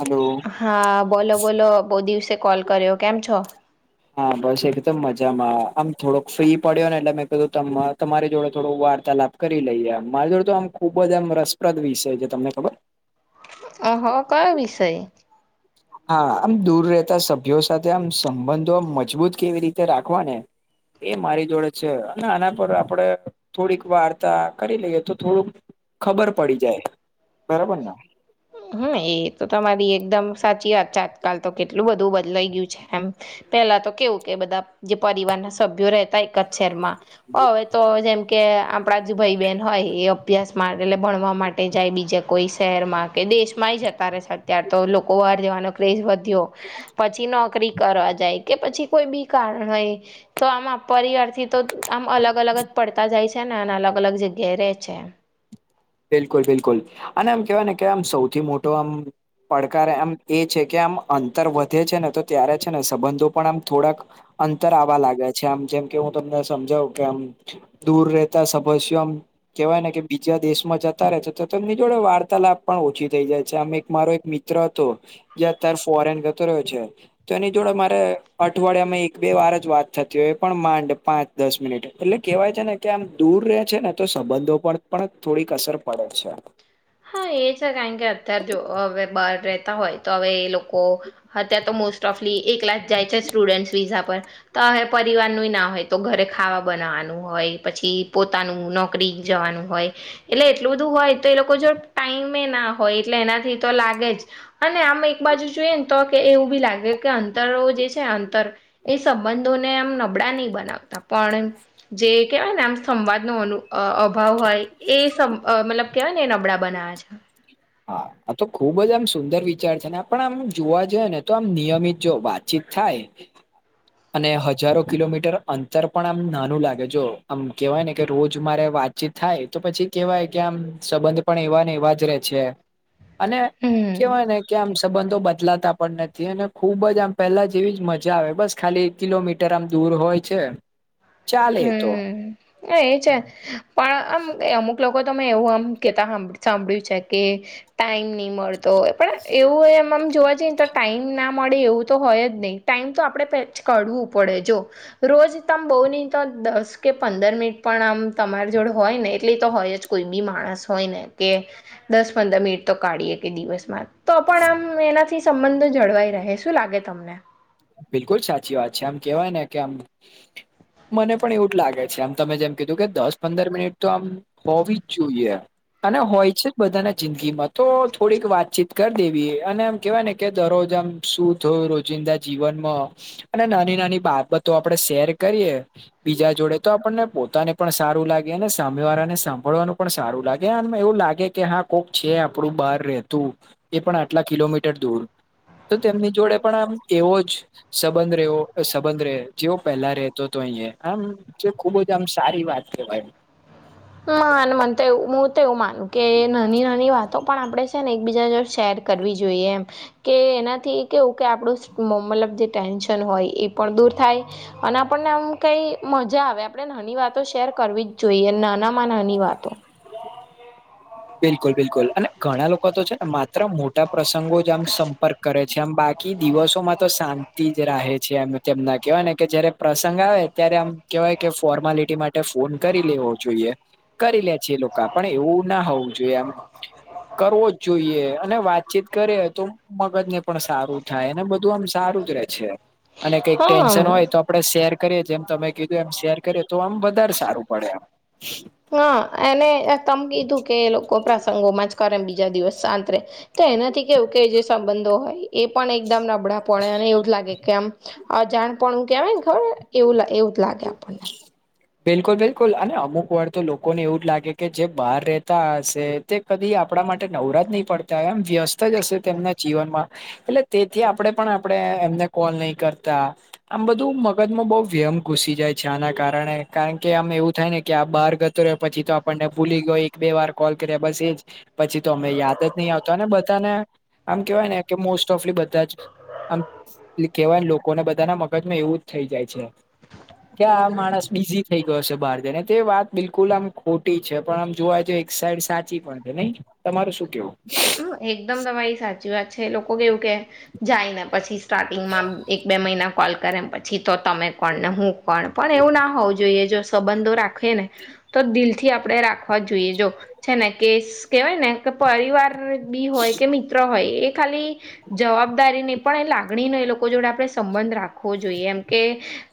Hello હા બોલો-બોલો. બહુ દિવસે કોલ કર્યો, કેમ છો? હા બસ એકદમ મજામાં. આમ થોડોક ફ્રી પડ્યો ને, એટલે મેં કીધું તમા તમારી જોડે થોડું વાર્તાલાપ કરી લઈ એમ. મારી જોડે તો આમ ખુબ જ આમ રસપ્રદ વિષય છે. તમને ખબર? અહો! કયો વિષય? હા. આમ દૂર રહેતા સભ્યો સાથે આમ સંબંધો આમ મજબૂત કેવી રીતે રાખવા ને એ મારી જોડે છે. અને આના પર આપણે થોડીક વાર્તા કરી લઈએ, તો થોડુંક ખબર પડી જાય. બરાબર ને? હા. એ તો તમારી એકદમ સાચી વાત છે. આજકાલ તો કેટલું બધું બદલાઈ ગયું છે એમ. પહેલા તો કેવું કે બધા જે પરિવાર ના સભ્યો રહેતા એક શહેરમાં. હવે તો જેમ કે આપણા જે ભાઈ બહેન હોય, એ અભ્યાસમાં એટલે ભણવા માટે જાય બીજા કોઈ શહેરમાં. કે દેશ માંય જતા રહે છે અત્યારે તો. લોકો બહાર જવાનો ક્રેઝ વધ્યો. પછી નોકરી કરવા જાય, કે પછી કોઈ બી કારણ હોય, તો આમાં પરિવાર થી તો આમ અલગ-અલગ જ પડતા જાય છે ને, અને અલગ-અલગ જગ્યાએ રહે છે. બિલકુલ-બિલકુલ. અને આમ કહેવાય ને કે આમ સૌથી મોટો આમ પડકાર એમ એ છે, કે આમ અંતર વધે છે ને તો ત્યારે છે ને સંબંધો પણ આમ થોડાક અંતર આવા લાગે છે. આમ જેમ કે હું તમને સમજાવ કે એમ દૂર રહેતા સભસ્યો આમ, કહૈવાય ને કે બીજા દેશ માં જતા રહે છે. તો તેમની જોડે વાર્તાલાપ પણ ઓછી થઈ જાય છે. આમ એક મારો એક મિત્ર હતો. એ અત્યાર ફોરેન જતો રહ્યો છે. તો એની જોડે મારે અઠવાડિયા માં એક-બે વાર જ વાત થતી હોય. એ પણ માંડ પાંચ દસ મિનિટ. એટલે કહેવાય છે ને, કે આમ દૂર રહે છે, ને તો સંબંધો પર પણ થોડીક અસર પડે છે. હા એ છે. કારણ કે અત્યારે જો, હવે બહાર રહેતા હોય, તો હવે એ લોકો હત્યાર તો મોસ્ટ ઓફલી એક લાખ જાય છે સ્ટુડન્સ વિઝા પર. તો હવે પરિવારનુંઈ ના હોય. તો ઘરે ખાવા બનાવાનું હોય, પછી પોતાનું નોક કરી જવાનું હોય. એટલે એટલું બધું હોય તો એ લોક કો જો ટાઈમે ના હોય એટલે એનાથી તો લાગે જ. અને આમ એક બાજુ જોઈએ ને, તો કે એવું બી લાગે કે અંતરો જે છે અંતર એ સંબંધોને આમ નબળા નહીં બનાવતા. પણ જે કહેવાય ને આમ સંવાદ નું અનુ અહ અભાવ હોય, એ સં અહ મતલબ કહેવાય ને એ નબળા બનાવે છે. હા. આ તો ખૂબ જ આમ સુંદર વિચાર છે, ને પણ આમ જોવા જઈએ ને તો આમ નિયમિત જો વાતચીત થાય [inaudible] [inaudible] અને હજારો કિલોમીટર અંતર પણ આમ નાનું લાગે જો આમ કેવાય કે રોજ મારે વાત ચિત થાય તો પછી કેવાય કે આમ સંબંધ પણ એવાન એવા જ રે છે. અને હમ કેવાય ને કે આમ સંબંધો બદલાતા પણ ન થી અને ખુબ જ આમ પહેલા જેવી જ મજા આવે બસ ખાલી એક કિલોમીટર આમ દૂર હોય છે. ચાલે તો હમ્મ એ છે. પણ આમ અમુક લોકો તો મેં એવું આમ કેતા સાંભળ્યું છે કે, ટાઈમ નહી મળતો પણ એવું એમ આમ જોવા જઈએને તો ટાઈમ ના મળે એવું તો હોય જ નય ટાઈમ તો આપડે કાઢવું પડે જો રોજ તમ બોવની તો દસ કે પંદર મિનિટ પણ આમ તમારી જોડે હોય ને એટલે તો હોય જ કોઈ બી માણસ હોય ને. કે દસ પંદર મિનિટ તો કાઢીએ કે દિવસમાં તો પણ આમ એનાથી સંબંધો જળવાઈ રહે શું લાગે તમને? બિલકુલ સાચી વાત છે આમ કેવાય ને કે આમ મને પણ એવું જ લાગે છે આમ તમે જેમ કીધું કે દસ પંદર મિનિટ તો આમ હોવી જ જોઈએ. અને હોય છે જ બધાના જિંદગીમાં તો થોડીક વાતચીત કરી દેવી અને એમ કેવાયને કે દરરોજ આમ શું થયું રોજિંદા જીવનમાં અને નાની નાની બાબતો આપડે શેર કરીએ બીજા જોડે તો આપણને પોતાને પણ સારું લાગે અને સામેવાળાને સાંભળવાનું પણ સારું લાગે આને એવું લાગે કે હા કોક છે આપડું બહાર રહેતું એ પણ આટલા કિલોમીટર દૂર તો તેમની જોડે પણ એવો જ સંબંધ રેવો સંબંધ રે જેવો પહેલા રેતો તો અહી આમ, જો ખુબ જ આમ સારી વાત કેવાય. [inaudible] માન મને તો એવું મું તો એવું માનું કે નાની નાની વાતો પણ આપડે છે ને એકબીજા જોડ શેર કરવી જોઈએ એમ. કે એનાથી કેવું કે આપણું મતલબ જે ટેન્શન હોય એ પણ દૂર થાય. અને આપણને આમ કઈ મજા આવે આપણે નાની વાતો શેર કરવી જ જોઈએ નાના માં નાની વાતો. બિલકુલ બિલકુલ અને ઘણા લોકો તો છે ને માત્ર મોટા પ્રસંગો જ આમ સંપર્ક કરે છે, આમ બાકી દિવસોમાં તો શાંતિ જ રાહે છે, એમ તેમના કહેવાય ને કે જયારે પ્રસંગ આવે ત્યારે આમ કેવાય કે ફોર્માલિટી માટે ફોન કરી લેવો જોઈએ કરી લે જે લોકો પણ એવું ના હોવું જોઈએ આમ કરવો જ જોઈએ અને વાતચીત કરીએ તો મગજને પણ સારું થાય ને બધું આમ સારું જ રે છે, અને કઈક હા ટેન્શન હોય તો આપડે શેર કરીએ જેમ તમે કીધું એમ શેર કરીએ તો આમ વધારે સારું પડે. હા એને તમ કીધું કે એ લોકો પ્રસંગોમાં જ ક રે બીજા દિવસ શાંત રે તો એનાથી કેવું કે જે સંબંધો હોય એ પણ એકદમ ન બડા પડે અને એવું જ લાગે કેમ અજાણ પણ કેવાયને ખબર એવું એવું જ લાગે આપણને. [inaudible] બિલકુલ બિલકુલ અને અમુકવાર તો લોકોને એવું જ લાગે કે જે બહાર રેતા હશે તે કદી આપણા માટે નવરા જ નહી પડતા એમ વ્યસ્ત જ હશે તેમના જીવનમાં? એલે તેથી આપણેે પણ આપણેે એમને કોલ નહી કરતા. આમ બધું મગજમાં બહુ વ્યેમ ઘુસી જાય. છાના કારણે, કારણ કે આમ એવું થાય ને કે આ બહાર ગતો રહ્યો પછી તો આપણને ભૂલી ગો ઈ. બે વાર કોલ કર્યા બસ એજ પછી તો અમે યાદ જ નહી આવતાને બધાને? આમ કેવાય ને કે મોસ્ટ ઓફલી બધા જ આમ લી કેવાય લોકોને બધા ના મગજમાં એવું જ થઇ જાય છે. ક્યા આ માણસ બીઝી થઈ ગયો છે બાર જઈને, તે વાત બિલકુલ આમ ખોટી છે પણ આમ જોવા જઈ એક સાઈડ સાચી પણ છે નઈ! તમારે શું કેવું? હમ એકદમ તમારી સાચી વાત છે, લોકો કેવું કે... જાય ને પછી સ્ટાર્ટિંગમાં આમ એક બે મહિના કોલ કરે પછી તો તમે કોણને હું કોણ? પણ એવું ના હોવું જોઈએ જો સંબંધો રાખે ને તો દિલ થી આપડે રાખ... હજ જોઈએ જો, છે ને કે સ કેવાય ને કે પરિવાર બી હોય કે મિ... ત્ર હોય એ ખાલી... જવાબદારી ની પણ એ લાગણી નો એ લોકો જોડે આપણે સંબંધ રાખવો જોઈએ એમ કે...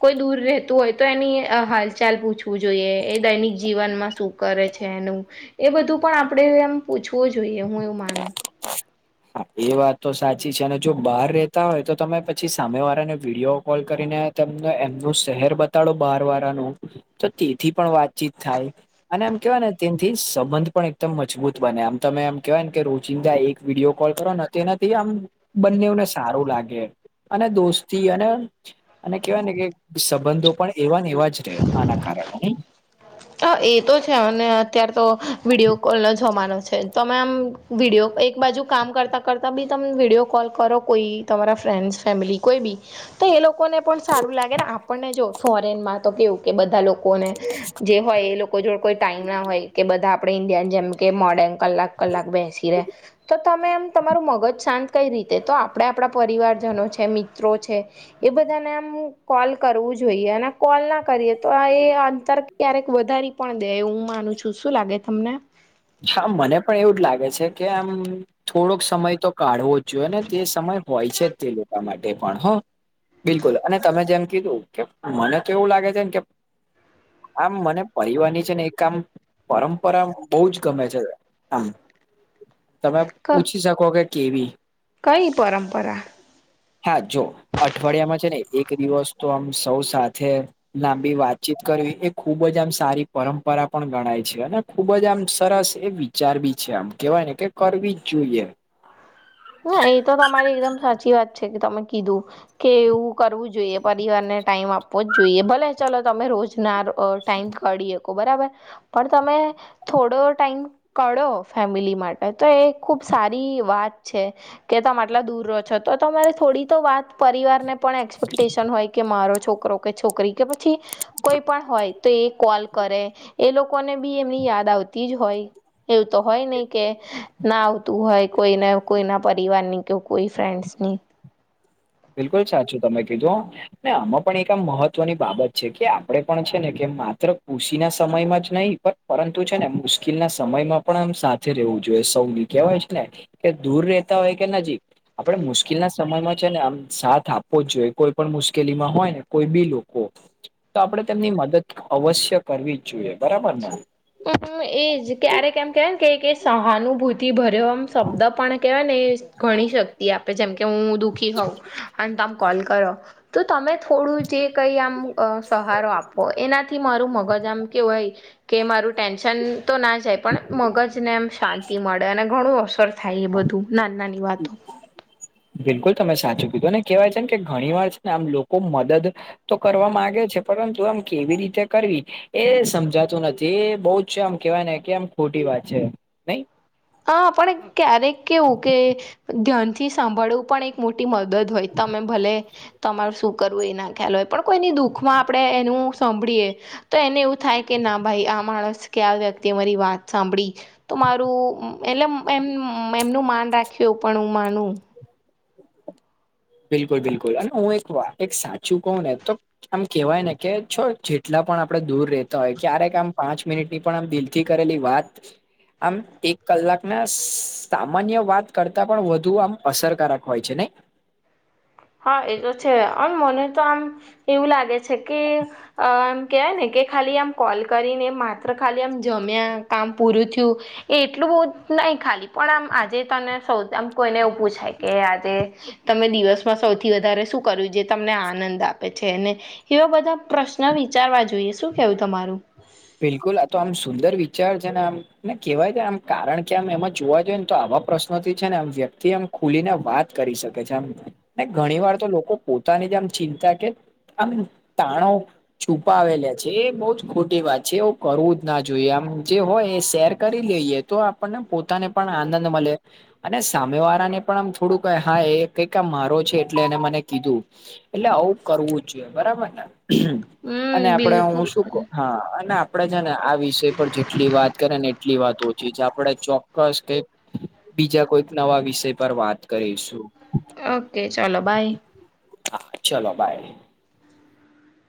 કોઈ દૂર રહેતું હોય તો એની અ હાલચાલ પૂછવું જોઈએ એ દૈનિક જીવનમાં શું કરે છે એનું? એ બધું પણ આપણે એમ પૂછવું જોઈએ હું એવું માનું. હા એ વાત તો સાચી છે અને બહાર રેતા હોય તો તમે પછી સામે વારા ને વિડીયો કરીને તમને એમનું શહેર બતાડો બહાર વારાનું તો તેથી પણ વાતચીત થાય. અને એમ કેવાય ને તેનથી સબંધ પણ એકદમ મજબૂત બને, આમ તમે એમ કેહેવાયને કે રોજિંદા એક વિડીયો કોલ કરોને તો તેનાથી આમ બંનેવ સારુ લાગે અને દોસ્તી અને... અને કેવાય ને કે ક સંબંધો પણ એવાને એવા જ રે આના કારણે, નઈ! હ એ તો છે, અને અત્યાર તો વિડીયો કોલ નો જમાનો છે, તો મે મ... વિડીયો, એક બાજુ કામ કરતાં કરતાં બી તમ વિડીયો કોલ કરો કોઈ તમારા ફ્રેન્ડ્સ ફેમિલી કોઈ બી તો એ લોકોને પણ સારું લાગે ને આપણને જો ફોરેનમાં તો કેવું કે બધા લોકોને જે હોય એ લોકો જોડ કોઈ ટાઈમ ના હોય કે બધા આપણે ઇન્ડિયા ન જેમ કે મોડર્ન કલાક કલાક બેસી રહેે, તો તમે એમ તમારું મગજ શાંત... કઈ રીતે? તો આપણા આપણા પરિવારજનો છે મિત્રો છે એ બધાને આમ કોલ કરવું જોઈએ અને કોલ ના કરીએ તો આ એ અંતર... ક્યારેક વધારી પણ દે હું માનું છું, શું લાગે તમને? ચ્છા મને પણ એવું જ લાગે છે કે આમ... થોડોક સમય તો કાઢવો જ જોઈએ, ને તે સમય હોય છે જ તે લોકા માટે પણ હં! બિલકુલ, અને તમે જેમ કીધું, કે મને તો એવું લાગે છેન કે આમ મને પરિવાર ની છે ને એક આમ પરંપરા બઉ જ ગમે છે આમ તમે ક પૂછી શકો કે કેવી કઈ પરંપરા હા, જો અઠવાડિયામાં છે ને એક દિવસ તો આમ સૌ સાથે લાંબી વાતચીત કરવી એ ખૂબ જ આમ સારી પરંપરા પણ ગણાય છે, અને ખૂબ જ આમ સરસ એ વિચાર બી છે આમ કેવાય ને કે કરવી જ જોઈએ. ના, એ તો તમારી એકદમ સાચી વાત છે કે તમે કીધું કે એવું કરવું જોઈએ, પરિવારને ટાઈમ આપવો જ જોઈએ, ભલે ચલો તમે રોજના રો અ ટાઈમ કાઢી અકો, બરાબર પણ તમે થોડો ટાઈમ કાઢો ફેમિલી માટે તો એ ખુબ સારી વાત છે કે તમ આટલા દૂર રો છો તો તમારે થોડી તો વાત પરિવારને પણ એક્સપેક્ટેશન હોય કે મારો છોકરો કે છોકરી કે પછી કોઈ પણ હોય તો એ કોલ કરે એ લોકોને બી એમની યાદ આવતી જ હોય એવું તો હોય નહી કે બિલકુલ. ના આવતું હોય કોઈને કોઈના પરિવારની કે કોઈ ફ્રેન્ડ્સ ની. બિલકુલ સાચું તમે કીધું હ. ને આમાં પણ એક આમ મહત્વની બાબત છે કે આપણેે પણ છે ને કે માત્ર કુશિ ના સમયમાં જ નહી પણ પરંતુ છે ને મુશ્કિલના સમયમાં પણ આમ સાથે રહેવું જોઈએ સૌ કહેવાય છે ને કે દૂર રેતા હોય કે નજીક આપડ મુશ્કેલ ના સમયમાં છે ને આમ સાથ આપવો જ જોઈએ કોઈ પણ મુશ્કેલી માં હોય ને કોઈ બી લોકો. તો આપડણે તેમની મદદ અવશ્ય કરવી જ જોઈએ, બરાબર ને. મ એજ ક્યારેક એમ કેવાય કે સહાનુભૂતિ ભર આમ શબ્દ પણ કેહેવાય ને ઘણી શક્તિ આપે જેમ કે હું દુઃખી હોઉ અને તમ કોલ કરો તો તમે થોડું જે કઈ અ આમ સહારો આપો એનાથી મારું મગજ આમ કેવાય કે મારું ટેન્શન તો ના જાય પણ મગજને એમ શાંતિ મળે અને ઘણું અસર થાય એ બધું નાન નાની હમ. વાતો બિલકુલ તમે સાચું કીધું. ને કેવાય છે ને કે ઘણી વાર છે ને આમ લોકો મદદ તો કરવા માંગે છે, પરંતુ આમ કેવી રીતે કરવી એ સમજાતું નથી. એ બહુ જ છે આમ કેવાય ને કે આમ ખોટી વાત છે. નહી હા, પણ ક્યારેક કેવું કે ધ્યાનથી સાંભળવું પણ એક મોટી મ મદદ હોય તમે ભલે તમારું શું કરવું એ ના ખ્યાલ હોય પણ કોઈની દુઃખમાં આપણે એનું સાંભળીએ તો એને એવું થાય કે ના ભાઈ આ માણસ કે આ વ્યક્તિએ મારી વાત સાંભળી. તો મારું એટલે એમ એમનું માન રાખ્યું પણ હું માનું. બિલકુલ બિલકુલ. અને હું એક વાત એક સાચું કહું ને તો આમ કેવાય ને કે છો જેટલા પણ આપડે દૂર રતા હોય, ક્યારેક આમ પાંચ મિનિટ ની પણ આમ દિલ થી કરેલી વાત એક કલાક ના સામાન્ય કરતા પણ વધુ આમ અસરકારક હોય છે નહી. હા, એ તો છે. અને મને તો આમ એવું લાગે છે કે અ એમ કેહેવાય ને કે ખાલી આમ કોલ કરીને માત્ર ખાલી આમ જમ્યા, કામ પૂરું થયું એ એટલું બહ નહી ખાલી. પણ આમ આજે તને સૌ આમ કોઈને એવું પૂછાય કે આજે તમે દિવસ સૌથી વધારે શું કર્યું? જે તમને આનંદ આપે છેને એવા બધા પ્રશ્ન વિચારવા શું કેવું તમારું? બિલકુલ! આ તો આમ સુંદર વિચાર છે ને આમ. ને કેહેવાય કે આમ કારણ કે આમ એમાં જોવા જઈએ ને તો આવા પ્રશ્નોથી છે ને આમ વ્યક્તિ એમ ખુલીને વાત કરી શકે છે. આમ ને ઘણી વાર તો લોકો પોતાની જે આમ ચિંતા કે આમ તાણાવ છુપાવે લ્યા. જે એ બહુ જ ખોટી વાત. છે એવું કરવું જ ના જોઈએ. આમ જે હોય એ શેર કરી લઈએ તો આપણને પોતાને પણ આનંદ મળે. અને સામે વાળા ને પણ આમ થોડું કે હા એ કંઈક મારો છે એટલે એને મને કીધું. એટલે આવું કરવું જોઈએ. બરાબર ને! અને હમ આપડે હું બિલકુલ શું હા. અને આપડે છે ને આ વિષય પર જેટલી વાત કરે ને એટલી વાત ઓછી છે. આપણે ચોક્કસ કંઈક બીજા કોઈક નવા વિષય પર વાત કરીશું. ઓકે ચલો બાય હા ચલો બાય.